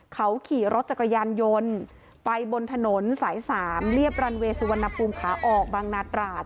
เขาขี่รถจักรยานยนต์ไปบนถนนสาย๓เรียบรันเวย์สุวรรณภูมิขาออกบางนาตราด